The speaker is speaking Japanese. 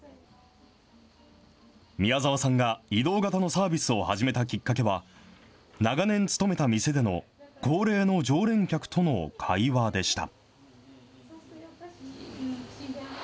宮澤さんが移動型のサービスを始めたきっかけは、長年勤めた店での高齢の常連客との会話でした。